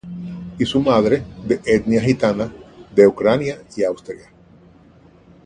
Y su madre de etnia gitana de Ucrania y Austria.